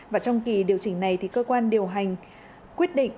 và trong kỳ điều chỉnh này thì cơ quan điều hành quyết định